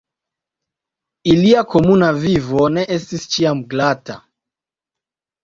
Ilia komuna vivo ne estis ĉiam glata.